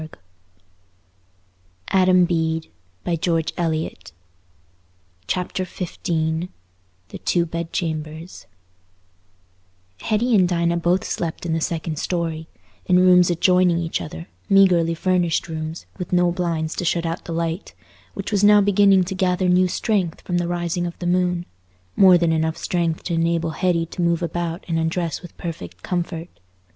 Good night, my wench, good night." Chapter XV The Two Bed Chambers Hetty and Dinah both slept in the second story, in rooms adjoining each other, meagrely furnished rooms, with no blinds to shut out the light, which was now beginning to gather new strength from the rising of the moon—more than enough strength to enable Hetty to move about and undress with perfect comfort.